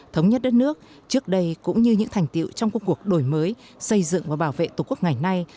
thống nhất đất nước trước đây cũng như những thành tiệu trong công cuộc đổi mới xây dựng và bảo vệ tổ quốc ngày nay